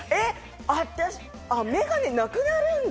眼鏡なくなるんだ。